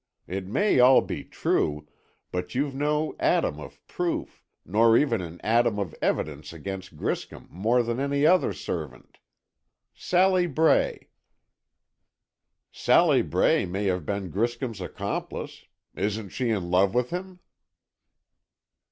"It may all be true, but you've no atom of proof, nor even an atom of evidence against Griscom more than any other servant. Sally Bray——" "Sally Bray may have been Griscom's accomplice. Isn't she in love with him?"